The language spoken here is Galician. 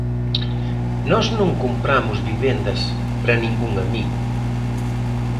Nós non compramos vivendas para ningún amigo.